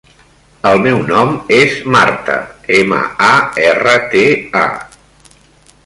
El meu nom és Marta: ema, a, erra, te, a.